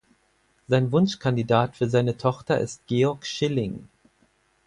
Sein Wunschkandidat für seine Tochter ist Georg Schilling.